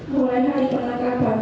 mulai hari penangkapan